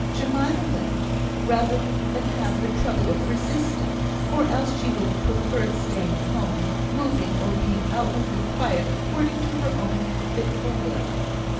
Jemima went, rather than have the trouble of resisting; or else she would have preferred staying at home, moving or being outwardly quiet according to her own fitful will.